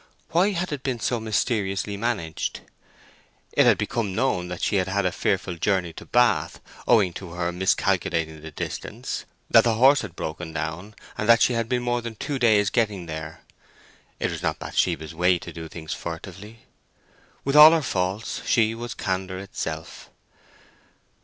Why had it been so mysteriously managed? It had become known that she had had a fearful journey to Bath, owing to her miscalculating the distance: that the horse had broken down, and that she had been more than two days getting there. It was not Bathsheba's way to do things furtively. With all her faults, she was candour itself.